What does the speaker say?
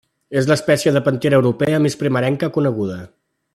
És l'espècie de pantera europea més primerenca coneguda.